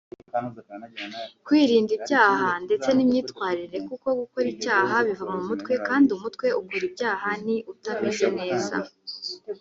kwirinda ibyaha ndetse n’imyitwarire kuko gukora icyaha biva mu mutwe kandi umutwe ukora ibyaha ni utameze neza